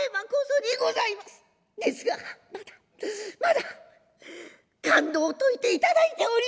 ですがまだまだ勘当を解いていただいておりません。